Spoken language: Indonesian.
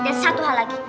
dan satu hal lagi